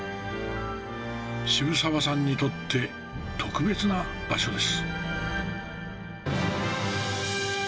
渋沢さんにとって特別な場所です。